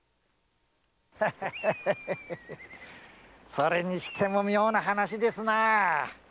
それにしても妙な話ですなぁ。